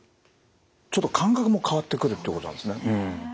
ちょっと感覚も変わってくるってことなんですね。